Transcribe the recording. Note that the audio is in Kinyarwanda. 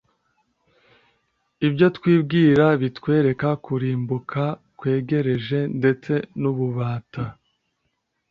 ibyo twibwira bitwereka kurimbuka kwegereje ndetse n’ububata